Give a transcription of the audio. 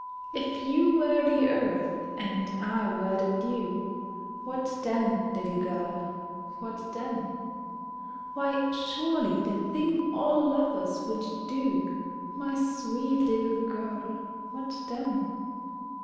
If you were the Earth and I were the Dew, What then, little girl, what then? Why surely the thing all lovers would do, My sweet little girl, what then?